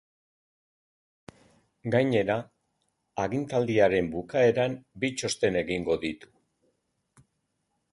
Gainera, agintaldiaren bukaeran bi txosten egingo ditu.